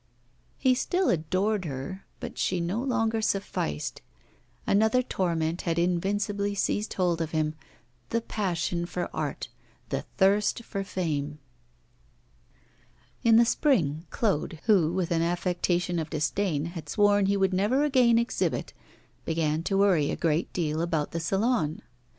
He still adored her, but she no longer sufficed. Another torment had invincibly seized hold of him the passion for art, the thirst for fame. In the spring, Claude, who, with an affectation of disdain, had sworn he would never again exhibit, began to worry a great deal about the Salon.